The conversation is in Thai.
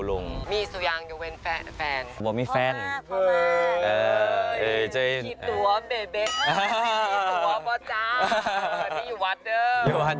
รวมพิธีเรียนรวมผลตามชีวิต